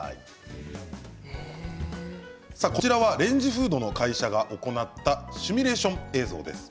こちらはレンジフードの会社が行ったシミュレーション映像です。